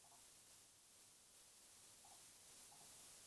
Su lira se convirtió en un atributo común de Apolo.